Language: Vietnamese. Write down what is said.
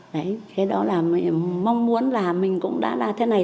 đấy thế đó là mong muốn là mình cũng đã là thế này